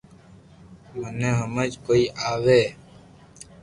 منو ھمج ڪوئي آوي